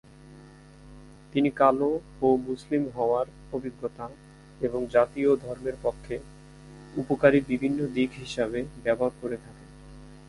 তিনি কালো ও মুসলিম হওয়ার অভিজ্ঞতা এবং জাতি ও ধর্মের পক্ষে উপকারী বিভিন্ন দিক হিসাবে ব্যবহার করে থাকেন।